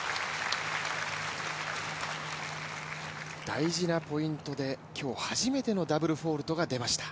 大事なポイントで今日初めてのダブルフォルトが出ました。